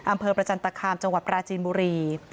อำเภอประจันตคามจังหวัดปราจีนบุรี